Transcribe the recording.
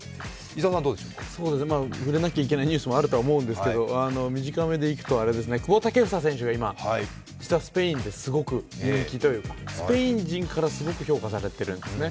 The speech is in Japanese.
触れなきゃいけないニュースもあると思うんですけど短めでいくと、久保建英選手がスペインですごく人気というか、スペイン人からすごく評価されているんですね。